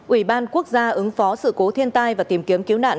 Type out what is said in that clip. ủy ban quốc gia ứng phó sự cố thiên tai và tìm kiếm cứu nạn